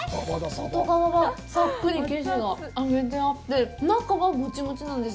外側はサックリ生地が揚げてあって、中はもちもちなんです。